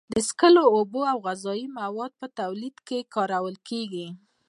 د څښلو اوبو او غذایي موادو په تولید کې کارول کیږي.